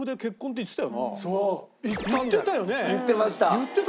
言ってました。